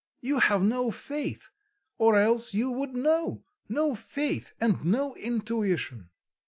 You have no faith, or else you would know; no faith and no intuition."